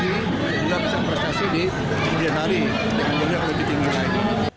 dia juga bisa prestasi di bidang hari